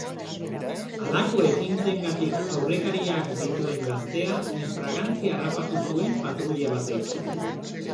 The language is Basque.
Halako ekintzengatik aurrekariak dituen gaztea in fraganti harrapatu zuen patruila batek.